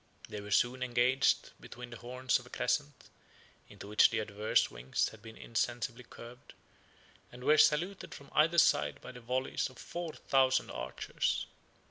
They were soon engaged between the horns of a crescent, into which the adverse wings had been insensibly curved, and were saluted from either side by the volleys of four thousand archers.